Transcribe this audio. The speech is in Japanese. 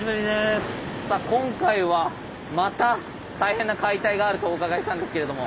さあ今回はまた大変な解体があるとお伺いしたんですけれども。